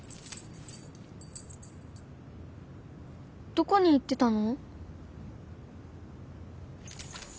どこに行ってたの？